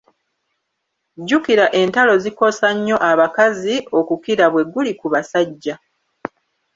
Jjukira entalo zikosa nnyo abakazi okukira bweguli ku basajja.